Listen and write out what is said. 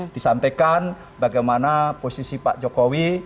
disampaikan bagaimana posisi pak jokowi